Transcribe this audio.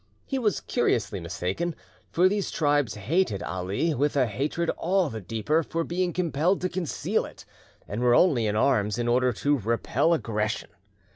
He was curiously mistaken, for these tribes hated Ali with a hatred all the deeper for being compelled to conceal it, and were only in arms in order to repel aggression.